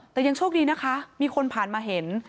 แต่ยังโชคดีนะคะมีคนผ่านมาเห็น